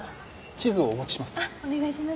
地図をお持ちします。